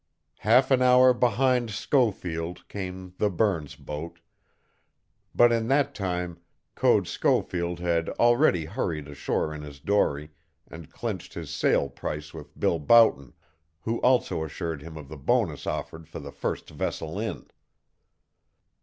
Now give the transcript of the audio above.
Half an hour behind Schofield came the Burns boat, but in that time Code Schofield had already hurried ashore in his dory and clinched his sale price with Bill Boughton, who also assured him of the bonus offered for the first vessel in.